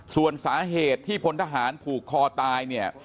ส่วนสาเหตุที่พลทหารผูกคอตายเนี่ย